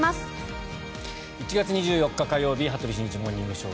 １月２４日火曜日「羽鳥慎一モーニングショー」。